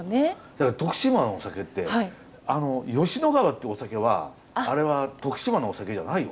だけど徳島のお酒ってあの吉乃川ってお酒はあれは徳島のお酒じゃないよね？